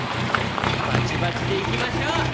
ばちばちでいきましょう！